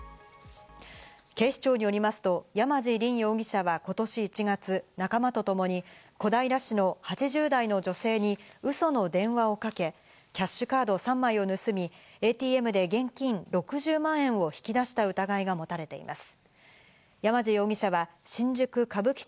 警視庁によりますと山地凜容疑者は今年１月、仲間とともに小平市の８０代の女性にウソの電話をかけ、キャッシュカード３枚を盗み、ＡＴＭで現金６０万円を引き出した疑いが持たれています。